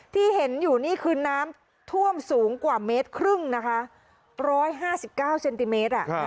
ที่เห็นอยู่นี่คือน้ำท่วมสูงกว่าเมตรครึ่งนะคะร้อยห้าสิบเก้าเซนติเมตรอ่ะค่ะ